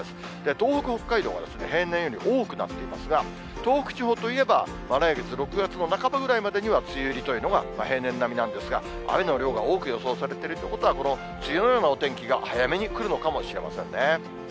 東北、北海道は平年より多くなっていますが、東北地方といえば、来月・６月の半ばぐらいまでには、梅雨入りというのが、平年並みなんですが、雨の量が多く予想されているということは、この梅雨のようなお天気が、早めに来るのかもしれませんね。